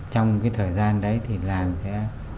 trong thời gian đấy thì làng sẽ